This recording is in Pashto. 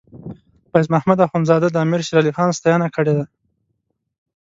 فیض محمد اخونزاده د امیر شیر علی خان ستاینه کړې ده.